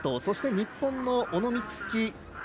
そして日本の小野光希